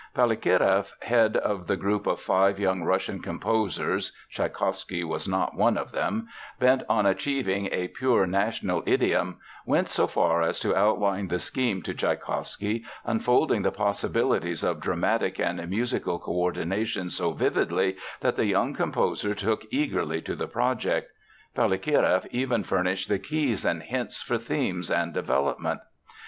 Balakireff, head of the group of five young Russian composers (Tschaikowsky was not one of them) bent on achieving a pure national idiom, went so far as to outline the scheme to Tschaikowsky, unfolding the possibilities of dramatic and musical co ordination so vividly that the young composer took eagerly to the project. Balakireff even furnished the keys and hints for themes and development.